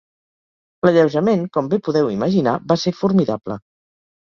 L'alleujament, com bé podeu imaginar, va ser formidable.